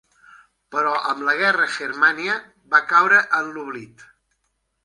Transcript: Però amb la guerra, "Germania" va caure en l'oblit.